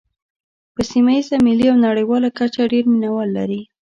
په سیمه ییزه، ملي او نړیواله کچه ډېر مینوال لري.